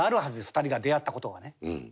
２人が出会った事がね。